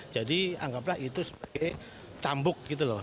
jadi anggaplah itu sebagai cambuk gitu loh